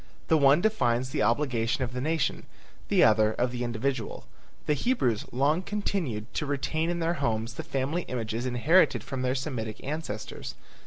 The one defines the obligation of the nation, the other of the individual. The Hebrews long continued to retain in their homes the family images inherited from their Semitic ancestors.